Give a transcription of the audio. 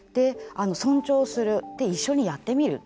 尊重する、一緒にやってみる。